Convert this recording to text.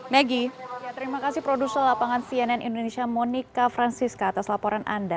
maggie terima kasih produser lapangan cnn indonesia monika francisca atas laporan anda